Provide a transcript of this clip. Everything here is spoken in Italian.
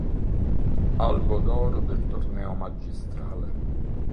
Albo d'oro del torneo Magistrale.